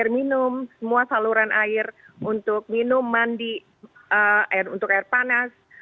air minum semua saluran air untuk minum mandi untuk air panas